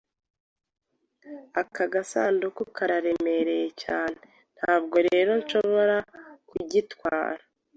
Aka gasanduku kararemereye cyane, ntabwo rero nshobora kugitwara.